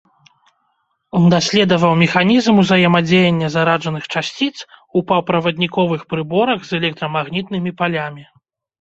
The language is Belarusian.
Даследаваў механізм узаемадзеяння зараджаных часціц у паўправадніковых прыборах з электрамагнітнымі палямі.